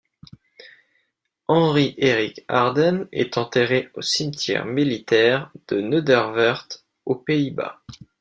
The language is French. Henry Eric Harden est enterré au cimetière militaire de Nederweert aux Pays-Bas.